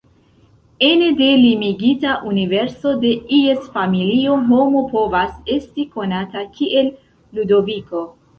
Ene de limigita universo de ies familio homo povas esti konata kiel "Ludoviko".